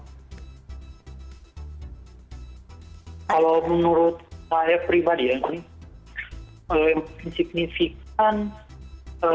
kalau menurut saya pribadi ya